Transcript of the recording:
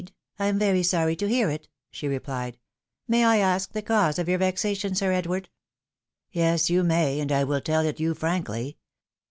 I am very sorry to hear it," she repUed ;" may I ask the cause of your vexation. Sir Edward ?"" Yes, you may, and I will teU it you frankly.